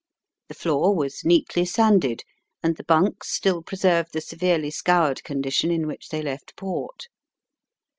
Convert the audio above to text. The floor was neatly sanded, and the bunks still preserved the severely scoured condition in which they left port.